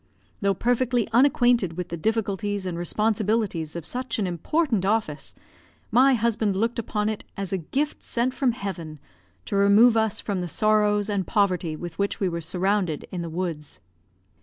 Though perfectly unacquainted with the difficulties and responsibilities of such an important office, my husband looked upon it as a gift sent from heaven to remove us from the sorrows and poverty with which we were surrounded in the woods.